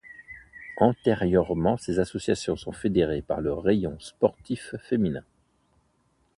Antérieurement ces associations sont fédérées par le Rayon sportif féminin.